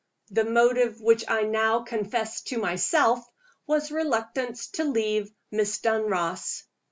The motive which I now confessed to myself was reluctance to leave Miss Dunross.